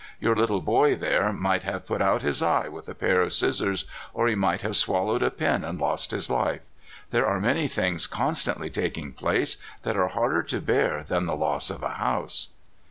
Your little boy there might have put out his eye with a pair of scissors, or he might have swallowed a pin and lost his life. There are many things constantly taking place that are harder to bear than the loss of a house."